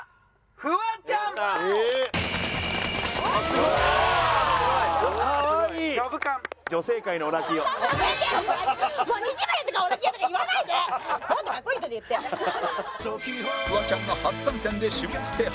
フワちゃんが初参戦で種目制覇